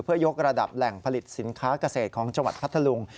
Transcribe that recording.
เพื่อยกระดับแหล่งผลิตสินค้าเกษตรของจังหวัดพัทธลุง